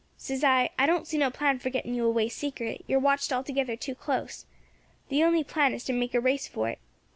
"Says I, 'I don't see no plan for getting you away secret, you are watched altogether too close, the only plan is to make a race for it.